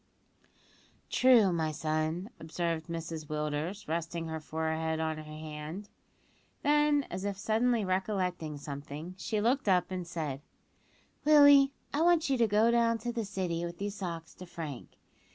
"True, my son," observed Mrs Willders, resting her forehead on her hand; then, as if suddenly recollecting something, she looked up and said, "Willie, I want you to go down to the City with these socks to Frank.